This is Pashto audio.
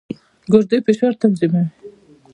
ګردې فشار تنظیموي.